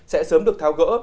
sẽ sớm được tháo gỡ